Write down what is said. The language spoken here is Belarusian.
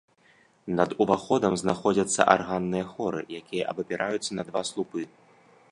Над уваходам знаходзяцца арганныя хоры, якія абапіраюцца на два слупы.